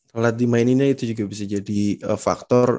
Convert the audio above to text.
alat dimaininnya itu juga bisa jadi faktor